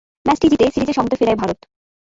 ম্যাচটি জিতে সিরিজে সমতা ফেরায় ভারত।